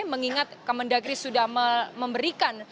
mengingat kementerian negeri sudah memberikan